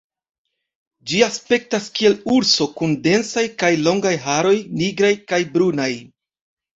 Ĝi aspektas kiel urso, kun densaj kaj longaj haroj nigraj kaj brunaj.